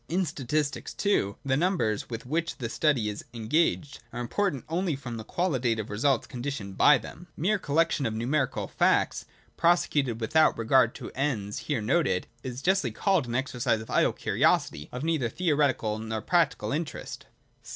In statistics, too, the numbers with which the study is engaged are im portant only from the qualitative results conditioned by them. Mere collection of numerical facts, prosecuted without re gard to the ends here noted, is justly called an exercise of idle curiosity, of neither theoretical nor practical interest.